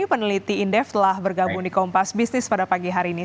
peneliti indef telah bergabung di kompas bisnis pada pagi hari ini